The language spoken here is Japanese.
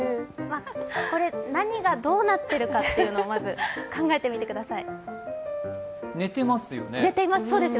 これ、何がどうなっているかというのをまず、考えてみてください。